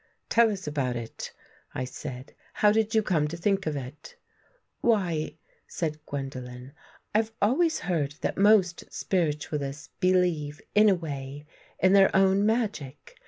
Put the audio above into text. " Tell us about it," I said. " How did you come to think of it? "" Why," said Gwendolen, " I've always heard that most Spiritualists believe, in a way, in their own magic.